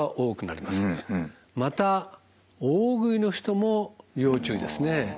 また大食いの人も要注意ですね。